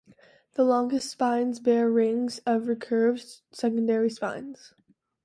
The longest spines bear rings of recurved secondary spines.